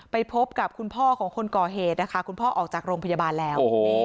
ไปพบกับคุณพ่อของคนก่อเหตุนะคะคุณพ่อออกจากโรงพยาบาลแล้ว